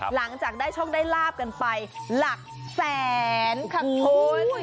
หลังจากได้โชคได้ลาบกันไปหลักแสนค่ะคุณ